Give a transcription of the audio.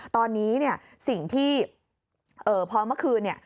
ตอนนี้สิ่งที่พอเมื่อคืน